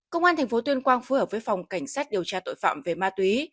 công an thành phố tuyên quang phù hợp với phòng cảnh sát điều tra tội phạm về ma túy